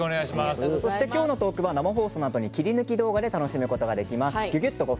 今日のトークは生放送のあとに切り抜き動画で楽しむことができます。